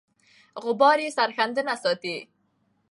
غبار یې سرښندنه ستایي.